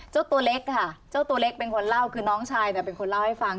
ตัวเล็กค่ะเจ้าตัวเล็กเป็นคนเล่าคือน้องชายเนี่ยเป็นคนเล่าให้ฟัง